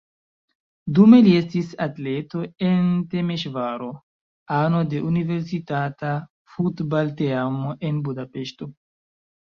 Dume li estis atleto en Temeŝvaro, ano de universitata futbalteamo en Budapeŝto.